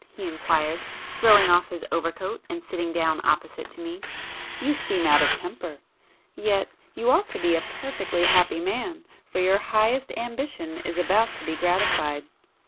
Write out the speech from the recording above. he inquired, throwing off his overcoat and sitting down opposite to me—"You seem out of temper! Yet you ought to be a perfectly happy man—for your highest ambition is about to be gratified.